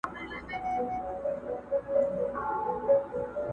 له مودو ستا د دوستی یمه لېواله!